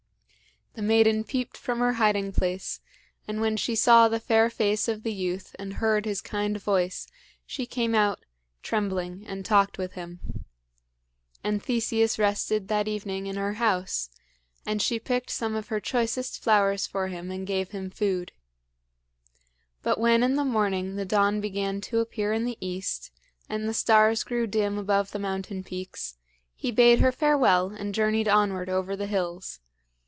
The maiden peeped from her hiding place, and when she saw the fair face of the youth and heard his kind voice, she came out, trembling, and talked with him. And Theseus rested that evening in her house, and she picked some of her choicest flowers for him and gave him food. But when in the morning the dawn began to appear in the east, and the stars grew dim above the mountain peaks, he bade her farewell and journeyed onward over the hills.